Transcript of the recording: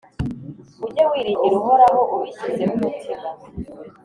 ujye wiringira Uhoraho ubishyizeho umutima,